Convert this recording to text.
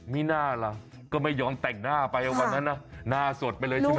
มีหน้าหรอก็ไม่ย้อนแต่งหน้าไปกว่านั้นนะหน้าสดไปเลยใช่ไหมนะ